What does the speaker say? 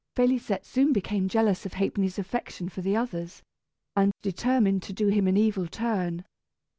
Félisette soon became jealous of Ha'penny's affection for the others, and determined to do him an evil turn.